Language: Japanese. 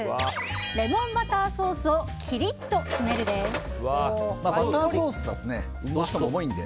レモンバターソースをバターソースだとどうしても重いので。